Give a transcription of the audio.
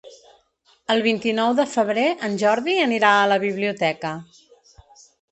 El vint-i-nou de febrer en Jordi anirà a la biblioteca.